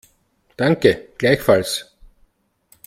Danke, gleichfalls.